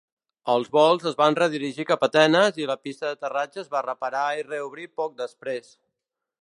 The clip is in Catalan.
Els vols es van redirigir cap a Atenes i la pista d"aterratge es va reparar i reobrir poc després.